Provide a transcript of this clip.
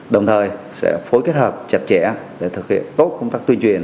đồng thời sẽ phối kết hợp chặt chẽ để thực hiện tốt công tác tuyên truyền